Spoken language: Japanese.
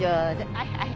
はいはい。